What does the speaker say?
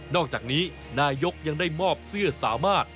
อกจากนี้นายกยังได้มอบเสื้อสามารถ